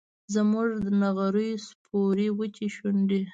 زموږ د نغریو سپورې وچې شونډي